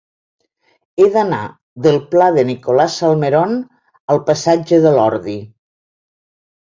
He d'anar del pla de Nicolás Salmerón al passatge de l'Ordi.